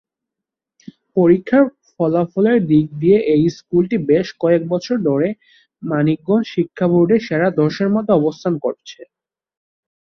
পরীক্ষার ফলাফলের দিক দিয়ে, এই স্কুলটি বেশ কয়েক বছর ধরে মানিকগঞ্জ শিক্ষা বোর্ডে সেরা দশের মধ্যে অবস্থান করছে।